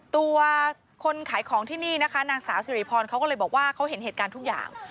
ตัวคนขายของที่นี่นะคะนางสาวสิริพรเขาก็เลยบอกว่าเขาเห็นเหตุการณ์ทุกอย่าง